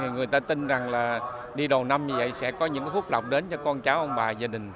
người ta tin rằng là đi đầu năm như vậy sẽ có những phút lọc đến cho con cháu ông bà gia đình